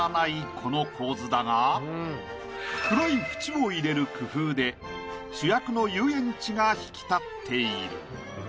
この構図だが黒い縁を入れる工夫で主役の遊園地が引き立っている。